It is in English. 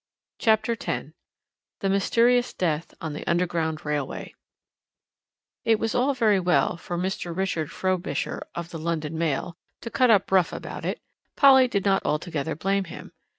CHAPTER X THE MYSTERIOUS DEATH ON THE UNDERGROUND RAILWAY It was all very well for Mr. Richard Frobisher (of the London Mail) to cut up rough about it. Polly did not altogether blame him.